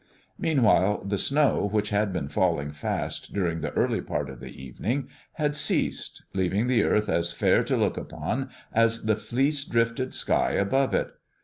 Meanwhile the snow, which had been falling fast during the early part of the evening, had ceased, leaving the earth as fair to look upon as the fleece drifted sky above it.